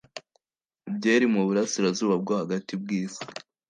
Byeri mu Burasirazuba bwo hagati bw’isi